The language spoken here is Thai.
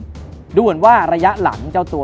ดูเหมือนว่าระยะหลังเจ้าตัว